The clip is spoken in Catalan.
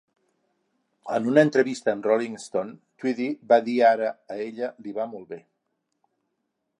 En una entrevista amb Rolling Stone, Tweedy va dir "ara a ella li va molt bé.